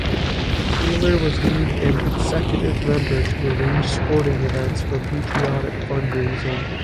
Taylor was named an executive member to arrange sporting events for patriotic fundraising.